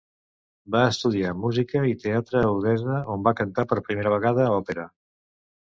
Va estudiar música i teatre a Odessa, on va cantar per primera vegada òpera.